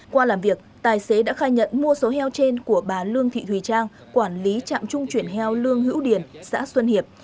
qua làm việc tài xế đã khai nhận mua số heo trên của bà lương thị thùy trang quản lý trạm trung chuyển heo lương hữu điền xã xuân hiệp